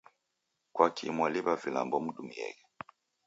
Kwakii mwaliw'a vilambo nimdumieghe?